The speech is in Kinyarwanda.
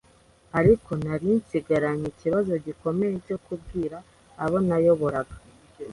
ariko nari nsigaranye ikibazo gikomeye cyo kubwira abo nayoboraga